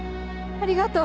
ありがとう！